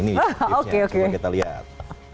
ini kita lihat